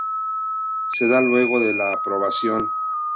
Se da luego de la aprobación.